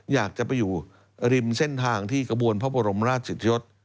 อยากจะไปอยู่ริมเส้นทางที่กระบวนพระบรมราชิตยศ